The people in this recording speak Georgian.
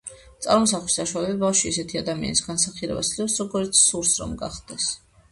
წარმოსახვის საშუალებით ბავშვი ისეთი ადამიანის განსახიერებას ცდილობს, როგორიც სურს, რომ გახდეს.